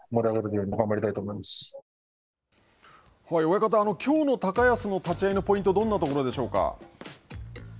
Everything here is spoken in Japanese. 親方、きょうの高安のポイントはどんなところでしょうか。